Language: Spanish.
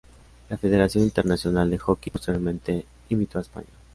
La Federación Internacional de Hockey posteriormente invitó a España.